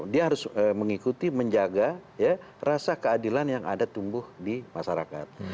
dia harus mengikuti menjaga rasa keadilan yang ada tumbuh di masyarakat